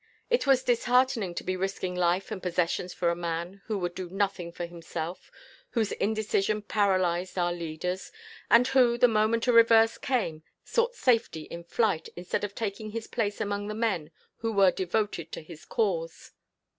It was disheartening to be risking life and possessions for a man who would do nothing for himself, whose indecision paralysed our leaders, and who, the moment a reverse came, sought safety in flight, instead of taking his place among the men who were devoted to his cause.